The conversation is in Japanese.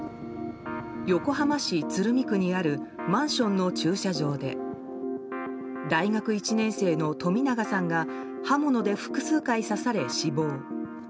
横浜市鶴見区にあるマンションの駐車場で大学１年生の冨永さんが刃物で複数回刺され死亡。